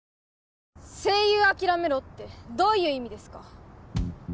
声優諦めろってどういう意味ですか？